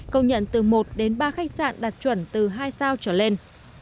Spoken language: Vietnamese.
công nhận từ một đến ba khách sạn đạt chuẩn từ hai sao trở lên